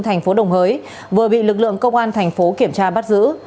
thành phố đồng hới vừa bị lực lượng công an thành phố kiểm tra bắt giữ